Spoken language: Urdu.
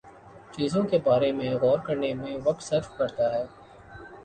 چیزوں کے بارے میں غور کرنے میں وقت صرف کرتا ہوں